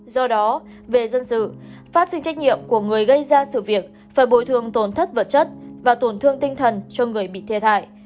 do đó về dân sự phát sinh trách nhiệm của người gây ra sự việc phải bồi thường tổn thất vật chất và tổn thương tinh thần cho người bị thiệt hại